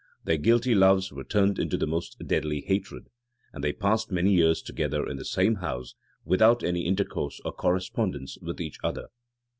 Their guilty loves were turned into the most deadly hatred; and they passed many years together in the same house, without any intercourse or correspondence with each other.